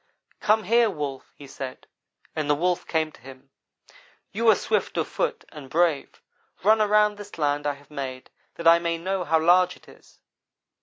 "'Come here, Wolf,' he said, and the Wolf came to him. "'You are swift of foot and brave. Run around this land I have made, that I may know how large it is.'